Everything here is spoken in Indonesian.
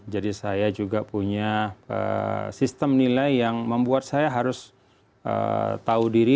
jadi saya juga punya sistem nilai yang membuat saya harus tahu diri